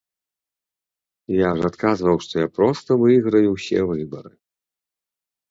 Я ж адказваў, што я проста выйграю ўсе выбары.